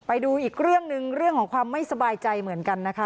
ไปดูอีกเรื่องหนึ่งเรื่องของความไม่สบายใจเหมือนกันนะคะ